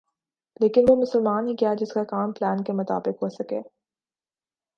لیکن وہ مسلمان ہی کیا جس کے کام پلان کے مطابق ہوسک